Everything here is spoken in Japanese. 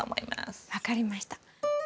分かりました。